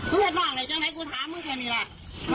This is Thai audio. มันเป็นวันเรียงมันเป็นวันเรียง